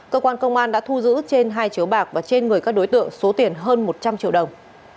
cơ quan công an đã thu giữ trên hai chiếu bạc và trên người các đối tượng số tiền hơn một trăm linh triệu đồng